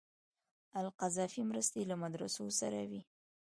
القذافي مرستې له مدرسو سره وې.